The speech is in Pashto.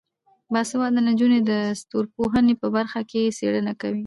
باسواده نجونې د ستورپوهنې په برخه کې څیړنه کوي.